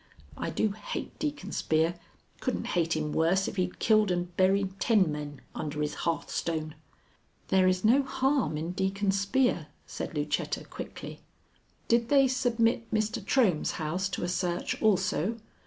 I do hate Deacon Spear couldn't hate him worse if he'd killed and buried ten men under his hearthstone." "There is no harm in Deacon Spear," said Lucetta, quickly. "Did they submit Mr. Trohm's house to a search also?"